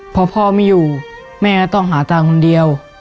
พอพ่อไม่อยู่แม่ก็ต้องหาตังค์คนเดียว